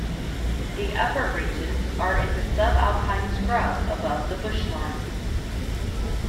The upper reaches are in subalpine scrub above the bushline.